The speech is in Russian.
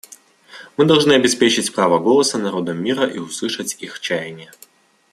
Мы должны обеспечить право голоса народам мира и услышать их чаяния.